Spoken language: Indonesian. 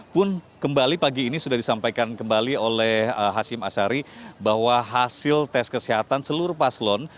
pun kembali pagi ini sudah disampaikan kembali oleh hashim ashari bahwa hasil tes kesehatan seluruh paslon